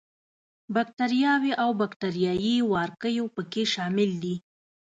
باکټریاوې او باکټریايي وارکیو په کې شامل دي.